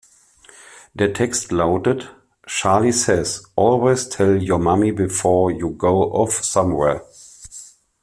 Der Text lautet: ""Charly says, always tell your mummy before you go off somewhere!